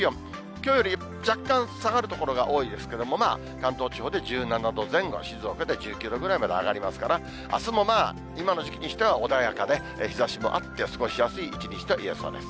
きょうより若干下がる所が多いですけれども、関東地方で１７度前後、静岡県１９度ぐらいまで上がりますから、あすもまあ、今の時期にしては穏やかで、日ざしもあって過ごしやすい一日といえそうです。